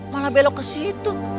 malah belok ke situ